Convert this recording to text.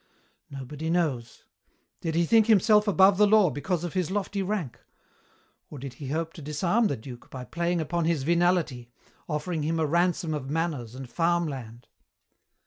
Nobody knows. Did he think himself above the law because of his lofty rank? Or did he hope to disarm the duke by playing upon his venality, offering him a ransom of manors and farm land?